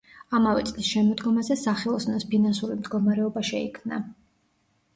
ამავე წლის შემოდგომაზე სახელოსნოს ფინანსური მდგომარეობა შეიქმნა.